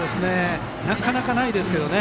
なかなかないですけどね。